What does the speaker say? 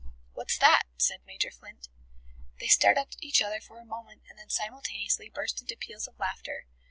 "What's that?" said Major Flint. They stared at each other for a moment and then simultaneously burst into peals of laughter.